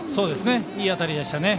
いい当たりでしたね。